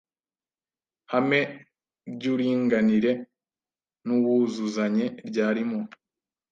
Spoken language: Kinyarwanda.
hame ry’uuringanire n’uwuzuzanye ryarimo